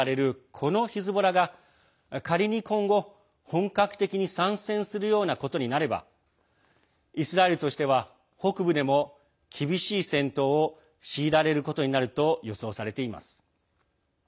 このヒズボラが仮に今後、本格的に参戦するようなことになればイスラエルとしては北部でも厳しい戦闘を強いられることになると予想されています。